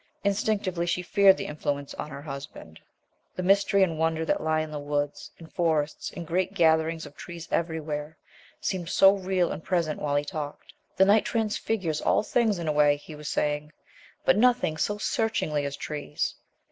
Instinctively she feared the influence on her husband. The mystery and wonder that lie in woods, in forests, in great gatherings of trees everywhere, seemed so real and present while he talked. "The Night transfigures all things in a way," he was saying; "but nothing so searchingly as trees.